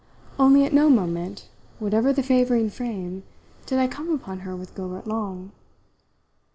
Only at no moment, whatever the favouring frame, did I come upon her with Gilbert Long.